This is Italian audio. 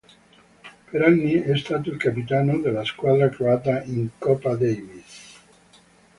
Per anni è stato il capitano della squadra croata in Coppa Davis.